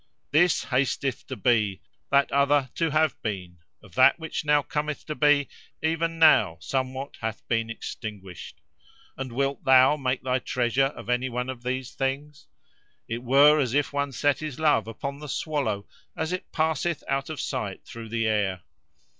"This hasteth to be; that other to have been: of that which now cometh to be, even now somewhat hath been extinguished. And wilt thou make thy treasure of any one of these things? It were as if one set his love upon the swallow, as it passeth out of sight through the air!